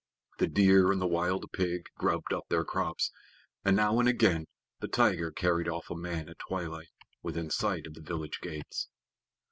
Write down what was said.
The deer and the wild pig grubbed up their crops, and now and again the tiger carried off a man at twilight, within sight of the village gates.